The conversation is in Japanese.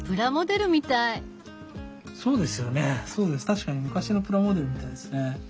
確かに昔のプラモデルみたいですね。